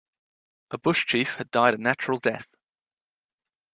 A bush chief had died a natural death.